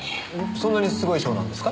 そんなにすごい賞なんですか？